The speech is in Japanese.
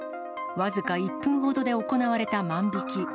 僅か１分ほどで行われた万引き。